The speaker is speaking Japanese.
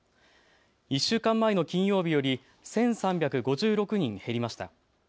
１週間前の金曜日より１３５６人減りました。